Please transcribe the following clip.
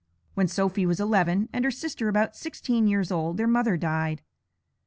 When Sophy was eleven and her sister about sixteen years old their mother died.